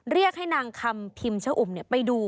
เรียกให้นางคำพิมชะอุ่มไปดู